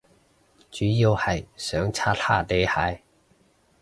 主要係想刷下你鞋